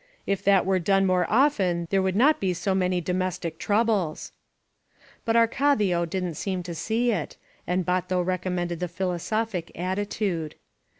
If that were done more often there would not be so many do mestic troubles." But Arcadia didn't seem to see it, and Bato recom mended the philosophic attitude.